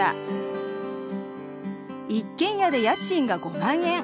一軒家で家賃が５万円。